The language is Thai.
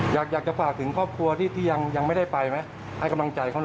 อยากจะฝากถึงครอบครัวที่ยังไม่ได้ไปไหมให้กำลังใจเขาหน่อย